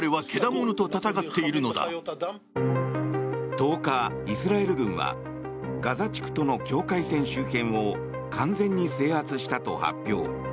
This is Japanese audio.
１０日、イスラエル軍はガザ地区との境界線周辺を完全に制圧したと発表。